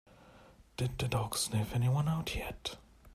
Did the dog sniff anyone out yet?